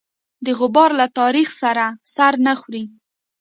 د غبار له تاریخ سره سر نه خوري.